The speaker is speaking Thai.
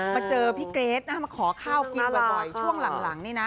มาเจอพี่เกรทมาขอข้ากินบ่อยช่วงหลัง